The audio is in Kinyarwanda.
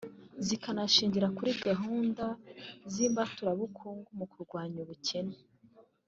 bikanashingira kuri gahunda z’imbaturabukungu mu kurwanya ubukene